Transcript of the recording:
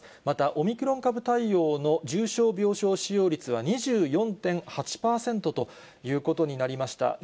また、オミクロン株対応の重症病床使用率は２４．８％ということになりました。